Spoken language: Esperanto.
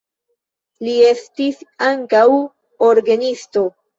Li estis ankaŭ orgenisto.